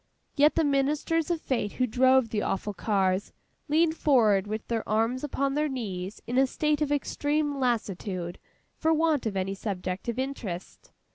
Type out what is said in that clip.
Yet, the Ministers of Fate who drove the awful cars, leaned forward with their arms upon their knees in a state of extreme lassitude, for want of any subject of interest.